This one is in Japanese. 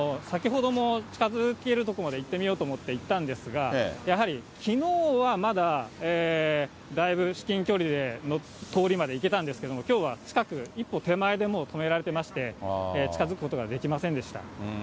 先ほども、近づける所まで行ってみようと思って行ったんですが、やはりきのうはまだ、だいぶ至近距離の通りまで行けたんですけれども、きょうは近く、一歩手前でもう止められてまして、近づくことができませんでした。